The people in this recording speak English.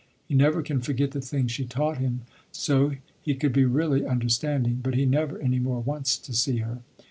He never can forget the things she taught him so he could be really understanding, but he never any more wants to see her.